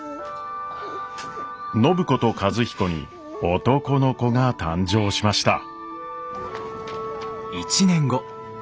暢子と和彦に男の子が誕生しました。